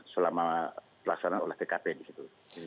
selama pelaksanaan oleh tkp disitu